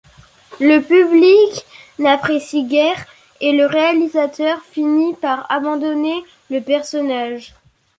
Le public n'apprécie guère et le réalisateur finit par abandonner le personnage.